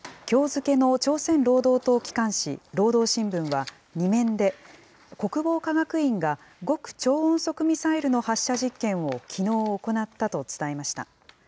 きょう付けの朝鮮労働党機関紙、労働新聞は２面で、国防科学院が極超音速ミサイルの発射実験をきのう行ったと伝えました。